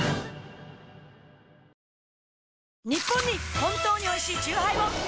ニッポンに本当においしいチューハイを！